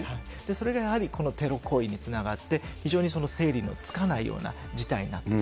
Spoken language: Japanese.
それがやはりこのテロ行為につながって、非常に整理のつかないような事態になっていく。